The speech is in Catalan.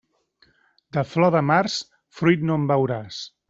De flor de març, fruit no en veuràs.